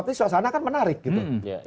tapi suasana kan menarik gitu